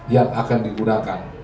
yang akan digunakan